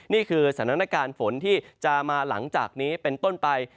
นี่คือสถานการณ์ฝนที่จะมาหลังจากนี้เป็นต้นไป